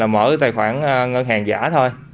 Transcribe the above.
mở tài khoản ngân hàng giả thôi